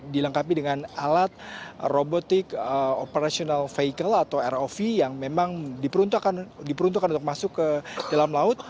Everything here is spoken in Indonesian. dilengkapi dengan alat robotik operational vehicle atau rov yang memang diperuntukkan untuk masuk ke dalam laut